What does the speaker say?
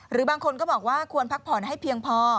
บางคนก็บอกว่าควรพักผ่อนให้เพียงพอ